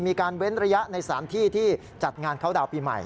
เว้นระยะในสถานที่ที่จัดงานเข้าดาวนปีใหม่